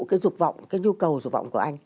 cái dục vọng cái nhu cầu dục vọng của anh